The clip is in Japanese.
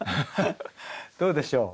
どうでしょう？